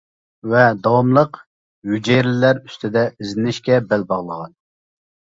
ۋە داۋاملىق ھۈجەيرىلەر ئۈستىدە ئىزدىنىشكە بەل باغلىغان.